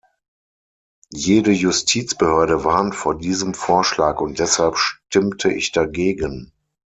Jede Justizbehörde warnt vor diesem Vorschlag und deshalb stimmte ich dagegen.